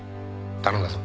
頼んだぞ。